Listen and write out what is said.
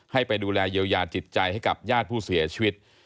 ให้ไปดูแลเยียวยาจิตใจให้กับญาติผู้เสียชีวิต